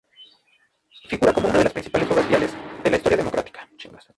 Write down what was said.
Figura como una de las principales obras viales de la historia democrática.